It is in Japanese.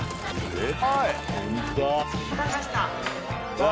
えっ？